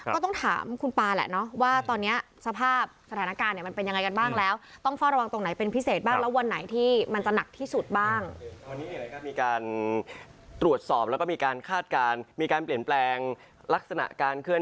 ก็ต้องถามคุณปาแหละเนอะว่าตอนนี้สภาพสถานการณ์มันเป็นยังไงกันบ้างแล้ว